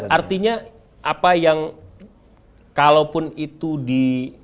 artinya apa yang kalaupun itu di